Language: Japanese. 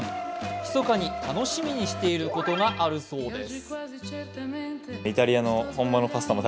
ひそかに楽しみにしていることがあるそうです。